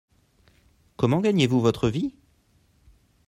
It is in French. Comment gagnez-vous votre vie ?